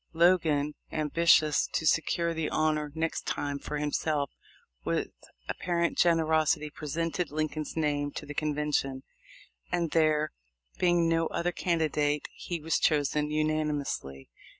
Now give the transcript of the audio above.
Logan, ambitious to secure the honor next time for himself, with apparent generosity presented Lincoln's name to the convention, and there being no other candidate he was chosen unani mously.